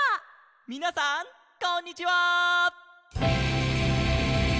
みなさんこんにちは！